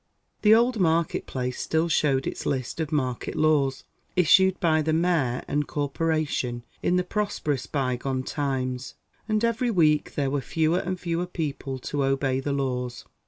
The old market place still showed its list of market law's, issued by the Mayor and Corporation in the prosperous bygone times; and every week there were fewer and fewer people to obey the laws.